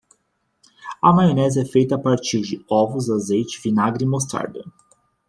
A maionese é feita a partir de ovos, azeite, vinagre e mostarda.